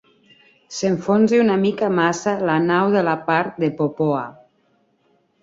S'enfonsi una mica massa la nau de la part de popoa.